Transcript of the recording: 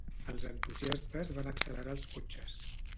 Els entusiastes van accelerar els cotxes.